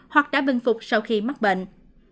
hoặc đã bình phục sau khi mắc bệnh